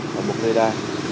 một cái dây đai